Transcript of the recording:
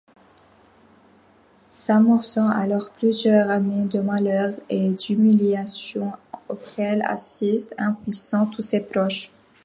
S'amorcent alors plusieurs années de malheur et d'humiliations auxquelles assistent impuissants tous ses proches.